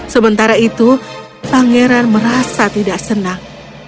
sementara itu pangeran merasa tidak senang